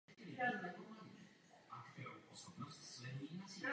Velkému množství úloh odpovídá i mnoho druhů a typů leteckých pum.